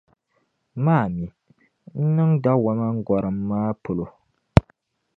Ma a mi, n niŋ dawɔma n gɔrim maa polo